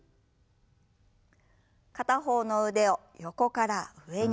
片方の腕を横から上に。